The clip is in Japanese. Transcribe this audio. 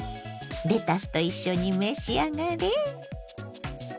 レタスと一緒に召し上がれ。